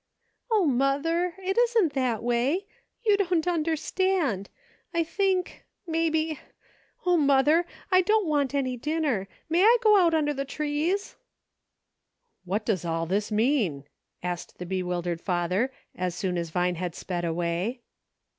" O, mother ! it isn't that way. You don't un derstand. I think — maybe — O, mother! I don't want any dinner ; may I go out under the trees ^" "What does all this mean V asked the bewil dered father as soon as Vine had sped away.